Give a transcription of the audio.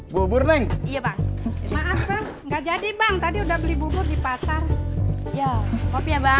bobor neng iya bang enggak jadi bang tadi udah beli bubur di pasar ya kopi ya bang